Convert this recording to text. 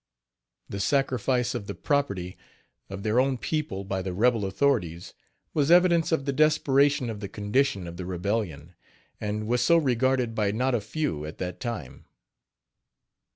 The sacrifice of the property of their own people by the rebel authorities, was evidence of the desperation of the condition of the rebellion, and was so regarded by not a few at that time.